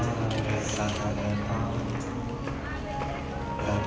สวัสดีครับสวัสดีครับ